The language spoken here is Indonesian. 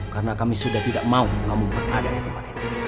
karena kami sudah tidak mau kamu berada di tempat ini